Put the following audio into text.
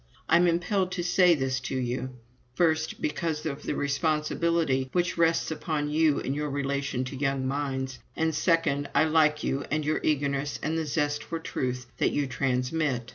I am impelled to say this to you, first, because of the responsibility which rests upon you in your relation to young minds; and, second, I like you and your eagerness and the zest for Truth that you transmit.